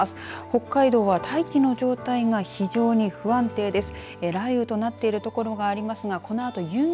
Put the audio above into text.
北海道は大気の状態が非常に不安定です。